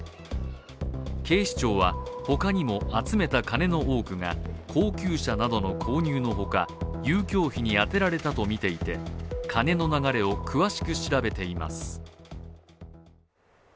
警視庁はほかにも集めた金の多くが高級車などの購入のほか遊興費に充てられたとみていて金の流れを詳しく調べています。